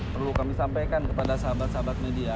perlu kami sampaikan kepada sahabat sahabat media